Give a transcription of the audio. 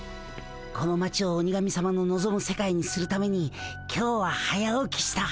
この町を鬼神さまののぞむ世界にするために今日は早起きした。